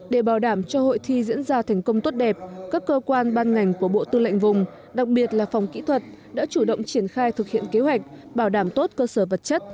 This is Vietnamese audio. để bảo đảm cho hội thi diễn ra thành công tốt đẹp các cơ quan ban ngành của bộ tư lệnh vùng đặc biệt là phòng kỹ thuật đã chủ động triển khai thực hiện kế hoạch bảo đảm tốt cơ sở vật chất